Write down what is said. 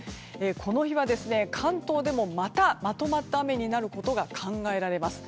この日は関東でもまたまとまった雨になることが考えられます。